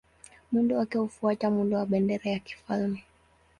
Muundo wake hufuata muundo wa bendera ya kifalme.